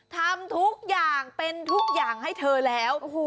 ทำทุกอย่างเป็นทุกอย่างให้เธอแล้ว